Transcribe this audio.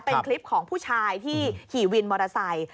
เป็นคลิปของผู้ชายที่ขี่วินมอเตอร์ไซค์